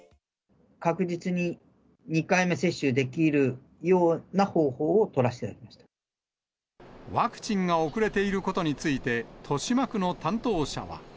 確実に２回目接種できるようワクチンが遅れていることについて、豊島区の担当者は。